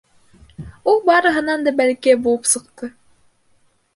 Ул барыһынан дә бәләкәй булып сыҡты.